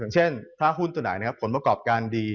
เช่นถ้าหุ้นตัวไหนผลประกอบการดี